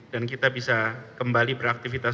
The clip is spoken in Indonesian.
dan kita bisa kembali beraktifitas